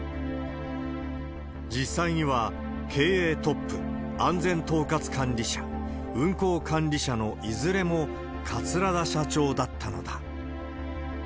実際には経営トップ、安全統括管理者、運航管理者のいずれも、桂田社長だったのだ。